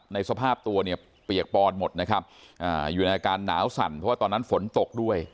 ในสภาพตัวเนี่ยเปรียกปลอดหมดนะครับอยู่ในฝ่ายนาว์สั่นว่าตอนนั้นฝนตกด้วย